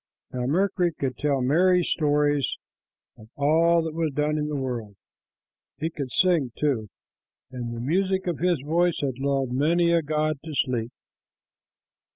Now Mercury could tell merry stories of all that was done in the world. He could sing, too, and the music of his voice had lulled many a god to sleep.